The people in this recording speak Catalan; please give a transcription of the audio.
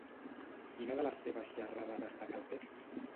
Quina de les seves xerrades destaca el text?